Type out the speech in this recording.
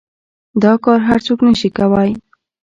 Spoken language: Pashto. دا کار هر سوک نشي کواى.